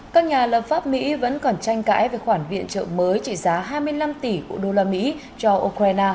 các nhà lập pháp mỹ vẫn còn tranh cãi về khoản viện trợ mới trị giá hai mươi năm tỷ của đô la mỹ cho ukraine